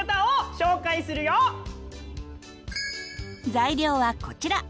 材料はこちら。